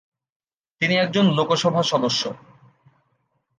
তিনি একজন লোকসভা সদস্য।